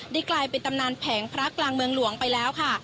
กลายเป็นตำนานแผงพระกลางเมืองหลวงไปแล้วค่ะ